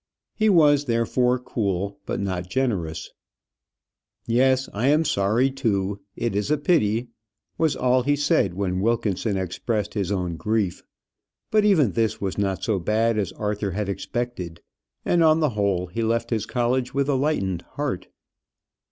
He was therefore cool, but not generous. "Yes; I am sorry too; it is a pity," was all he said when Wilkinson expressed his own grief. But even this was not so bad as Arthur had expected, and on the whole he left his college with a lightened heart.